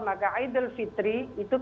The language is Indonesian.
maka idul fitri itu